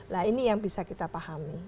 nah ini yang bisa kita pahami